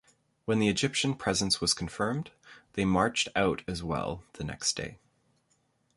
When the Egyptian presence was confirmed, they marched out as well the next day.